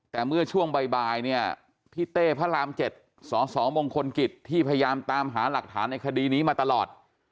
แต่เมื่อช่วงบ่ายเนี่ยพี่เต้พระราม๗สสมงคลกิจที่พยายามตามหาหลักฐานในคดีนี้มาตลอด